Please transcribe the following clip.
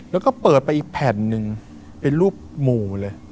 แล้วก็เปิดไปอีกแผ่นหนึ่งเป็นรูปหมู่เลย